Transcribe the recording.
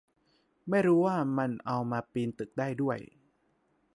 ไม่รู้ว่ามันเอามาปีนตึกได้ด้วย